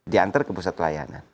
dianter ke pusat layanan